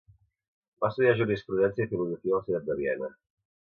Va estudiar Jurisprudència i Filosofia a la ciutat de Viena.